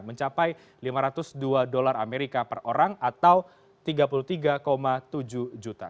mencapai lima ratus dua dolar amerika per orang atau tiga puluh tiga tujuh juta